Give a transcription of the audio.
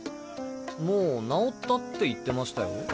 もう治ったって言ってましたよ。